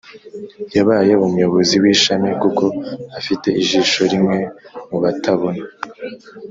yabaye umuyobozi w'ishami kuko afite ijisho rimwe mu batabona.